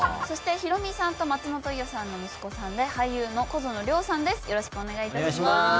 そしてヒロミさんと松本伊代さんの息子さんで俳優の小園凌央さんです。